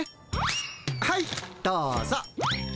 はいどうぞ。